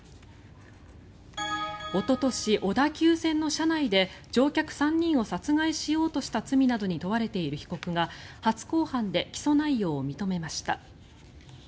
おととし、小田急線の車内で乗客３人を殺害しようとした罪などに問われている被告が初公判で起訴内容を認めました。